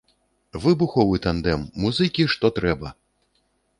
Выбуховы тандэм, музыкі што трэба!